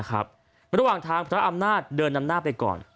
ระหว่างทางพระอำนาจเดินนำหน้าไปก่อน